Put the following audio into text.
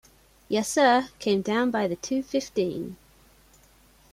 Yessir, came down by the two-fifteen.